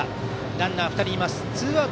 ランナーは２人います。